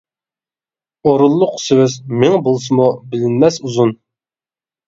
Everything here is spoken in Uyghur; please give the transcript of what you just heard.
ئورۇنلۇق سۆز مىڭ بولسىمۇ بىلىنمەس ئۇزۇن.